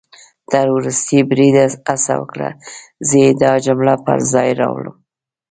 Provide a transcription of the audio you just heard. تر ورستي بریده هڅه وکړه، زه يې دا جمله پر ځای راوړم